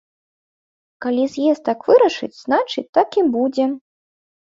Калі з'езд так вырашыць, значыць, так і будзе.